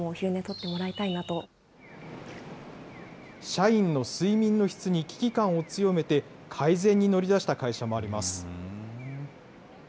社員の睡眠の質に危機感を強めて、改善に乗り出した会社もあります。